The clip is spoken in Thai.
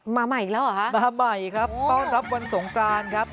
มาใหม่อีกแล้วเหรอฮะมาใหม่ครับต้อนรับวันสงกรานครับ